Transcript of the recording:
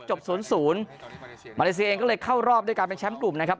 ศูนย์ศูนย์มาเลเซียเองก็เลยเข้ารอบด้วยการเป็นแชมป์กลุ่มนะครับ